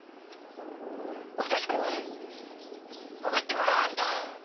虎鉄君に送ってもらわんと。